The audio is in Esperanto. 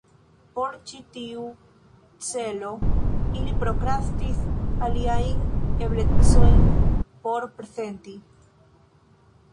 Por ĉi tiu celo ili prokrastis aliajn eblecojn por prezenti.